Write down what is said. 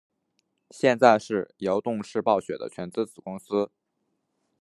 现在是由动视暴雪的全资子公司。